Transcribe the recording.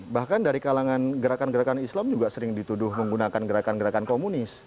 bahkan dari kalangan gerakan gerakan islam juga sering dituduh menggunakan gerakan gerakan komunis